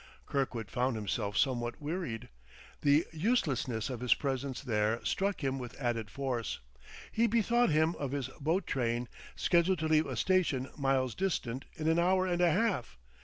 Kirkwood found himself somewhat wearied; the uselessness of his presence there struck him with added force. He bethought him of his boat train, scheduled to leave a station miles distant, in an hour and a half.